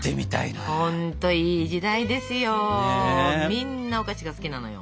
みんなお菓子が好きなのよ。